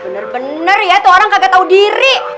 bener bener ya itu orang kagak tau diri